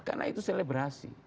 karena itu selebrasi